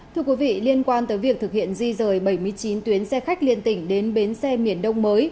thưa quý vị liên quan tới việc thực hiện di rời bảy mươi chín tuyến xe khách liên tỉnh đến bến xe miền đông mới